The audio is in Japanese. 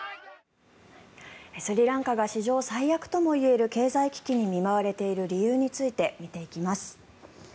スリランカが史上最悪ともいえる経済危機に見舞われている理由について見ていきます。